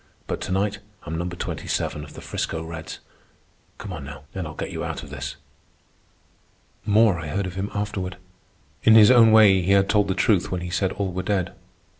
But to night I'm Number 27 of the 'Frisco Reds. Come on now, and I'll get you out of this." More I heard of him afterward. In his own way he had told the truth when he said all were dead.